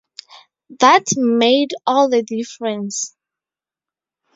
That made all the difference.